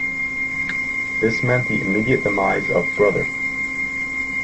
This meant the immediate demise of Brother.